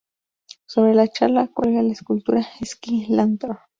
Sobre la charca cuelga la escultura "sky lantern".